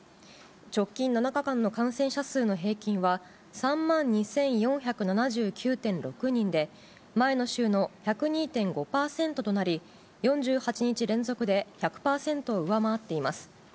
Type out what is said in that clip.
直近７日間の感染者数の平均は、３万２４７９．６人で、前の週の１０２．５％となり、４８日連続で１００％を上回っています。